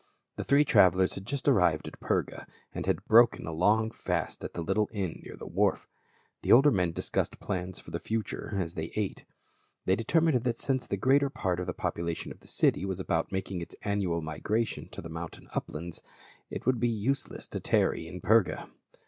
The three travelers had just arrived at Pcrga and had broken a long fast at the little inn near the wharf. The older men discussed plans for the future as they ate. They determined that since the greater part of the population of the city was about making its annual migration to the mountain uplands, it would be use less to tarry in Perga.